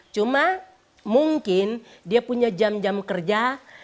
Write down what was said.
cuma mungkin dia punya jam jam kerja